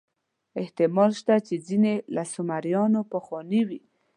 احتمال شته چې ځینې له سومریانو پخواني وي.